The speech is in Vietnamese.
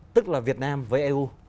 tức là việt nam với eu